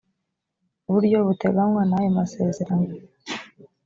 buryo buteganywa n ayo masezerano